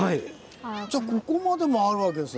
じゃここまでもあるわけです？